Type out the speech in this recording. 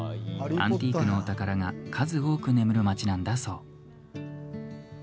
アンティークのお宝が数多く眠る町なんだそう。